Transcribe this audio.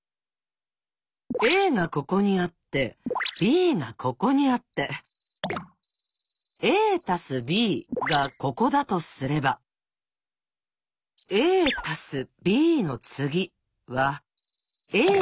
「ａ」がここにあって「ｂ」がここにあって「ａ＋ｂ」がここだとすれば「ａ」＋「ｂの次」はのすぐ隣。